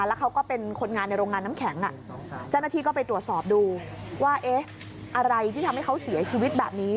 แล้วเขาก็เป็นคนงานในโรงงานน้ำแข็งเจ้าหน้าที่ก็ไปตรวจสอบดูว่าเอ๊ะอะไรที่ทำให้เขาเสียชีวิตแบบนี้